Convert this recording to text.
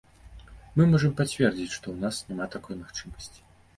Мы можам пацвердзіць, што ў нас няма такой магчымасці.